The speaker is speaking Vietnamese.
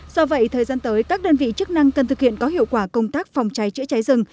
do vậy thời gian tới các đơn vị chức năng cần thực hiện có hiệu quả công tác phòng cháy chữa cháy rừng